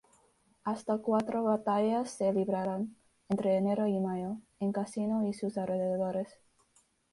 Hasta cuatro batallas se libraron, entre enero y mayo, en Cassino y sus alrededores.